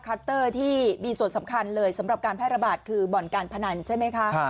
เตอร์ที่มีส่วนสำคัญเลยสำหรับการแพร่ระบาดคือบ่อนการพนันใช่ไหมคะ